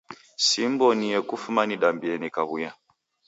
Simbonie kufuma nidambie nikaw'uya.